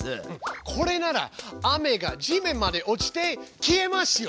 これなら雨が地面まで落ちて消えますよ。